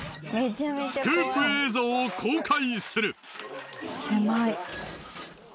スクープ映像を公開する！